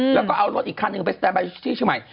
แล้วก็เอารถอีกคันหนึ่งไปสแตนบายที่เชียงใหม่